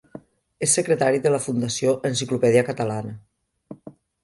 És secretari de la Fundació Enciclopèdia Catalana.